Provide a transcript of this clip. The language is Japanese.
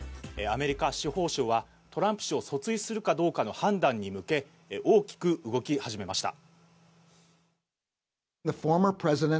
アメリカ司法省は、トランプ氏を訴追するかどうかの判断に向け、大きく動き始めました。